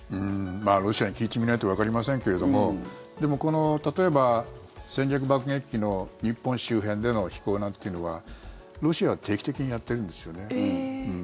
ロシアに聞いてみないとわかりませんけれどもでも、例えば戦略爆撃機の日本周辺での飛行なんていうのはロシアは定期的にやってるんですよね。